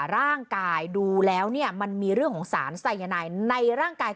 ร่างกายดูแล้วเนี่ยมันมีเรื่องของสารสายนายในร่างกาย